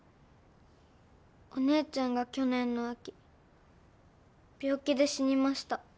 お姉ちゃんが去年の秋病気で死にました。